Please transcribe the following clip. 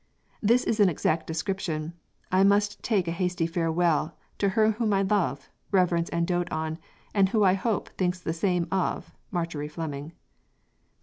This is an exact description. I must take a hasty farewell to her whom I love, reverence and doat on and who I hope thinks the same of MARJORY FLEMING.